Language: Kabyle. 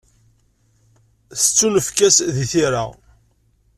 Tettunefk-as deg tira.